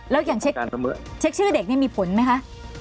แล้วอย่างเช็คชื่อเด็กนี่มีผลไหมคะ